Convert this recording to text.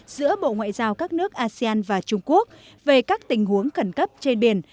giữa bộ ngoại giao các nước asean và trung quốc về các tình huống khẩn cấp trên biển